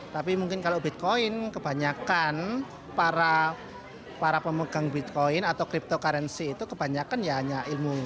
tapi mungkin kalau bitcoin kebanyakan para pemegang bitcoin atau cryptocurrency itu kebanyakan ya hanya ilmu